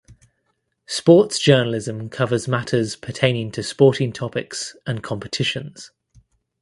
Sports journalism covers matters pertaining to sporting topics and competitions.